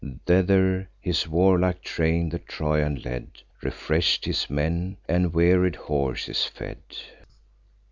Thither his warlike train the Trojan led, Refresh'd his men, and wearied horses fed.